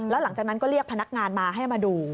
แล้วหลังจากนั้นก็เรียกพนักงานมาให้มาดู